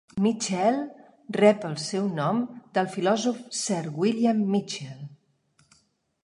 Mitchell rep el seu nom del filòsof Sir William Mitchell.